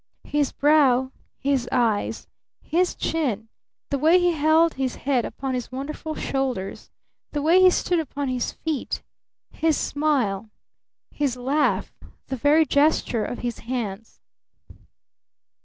His brow, his eyes, his chin, the way he held his head upon his wonderful shoulders, the way he stood upon his feet, his smile, his laugh, the very gesture of his hands!